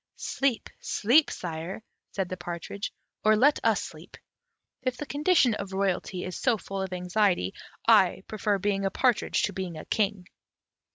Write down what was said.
"Sleep, sleep, sire," said the partridge, "or let us sleep: if the condition of royalty is so full of anxiety, I prefer being a partridge to being king."